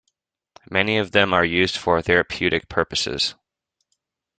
Many of them are used for therapeutic purposes.